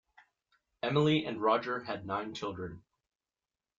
Emily and Roger had nine children.